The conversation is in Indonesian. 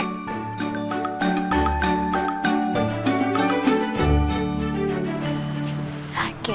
kemarin dua hari beda